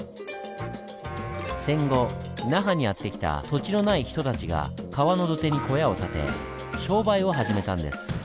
戦後那覇にやって来た土地のない人たちが川の土手に小屋を建て商売を始めたんです。